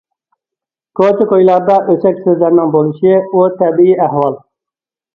كوچا- كويلاردا ئۆسەك سۆزلەرنىڭ بولۇشى ئۇ تەبىئىي ئەھۋال.